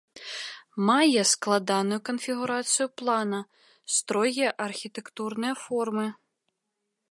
Мае складаную канфігурацыю плана, строгія архітэктурныя формы.